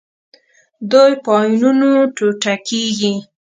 دوی په آیونونو ټوټه کیږي.